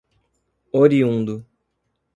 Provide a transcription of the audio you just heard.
oriundo